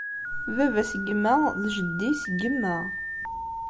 Baba-s n yemma d jeddi seg yemma.